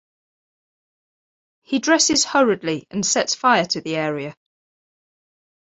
He dresses hurriedly and sets fire to the area.